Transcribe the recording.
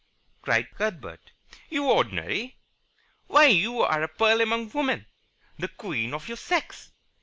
cried Cuthbert. "You ordinary? Why, you are a pearl among women, the queen of your sex.